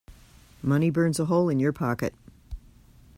Money burns a hole in your pocket.